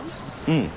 うん。